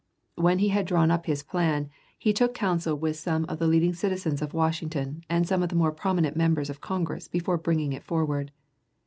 When he had drawn up his plan, he took counsel with some of the leading citizens of Washington and some of the more prominent members of Congress before bringing it forward.